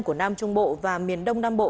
của nam trung bộ và miền đông nam bộ